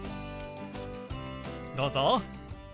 どうぞ。